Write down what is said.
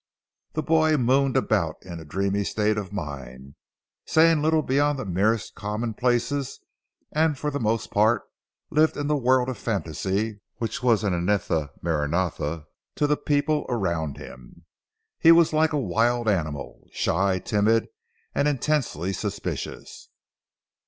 The boy mooned about in a dreamy state of mind, saying little beyond the merest common places and for the most part lived in that world of fantasy which was anathema maranatha to the people around him. He was like a wild animal, shy, timid, and intensely suspicious.